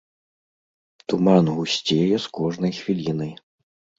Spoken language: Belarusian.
Туман гусцее з кожнай хвілінай.